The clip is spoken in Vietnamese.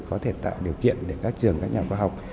có thể tạo điều kiện để các trường các nhà khoa học